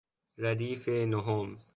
ردیف نهم